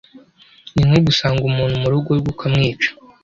ni nko gusanga umuntu mu rugo rwe ukamwica,